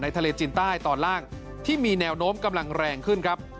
ทะเลจีนใต้ตอนล่างที่มีแนวโน้มกำลังแรงขึ้นครับ